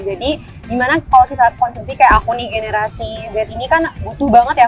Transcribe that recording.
jadi gimana kalau kita konsumsi kayak aku nih generasi z ini kan butuh banget ya